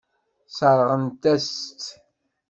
Sseṛɣent-as-tt.